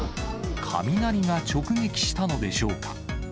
雷が直撃したのでしょうか。